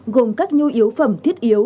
gồm các nhu yếu phẩm thiết yếu